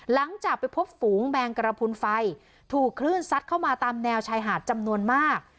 หลังจากไปพบฝูงแมงกระพุนไฟถูกคลื่นซัดเข้ามาตามแนวชายหาดจำนวนมาก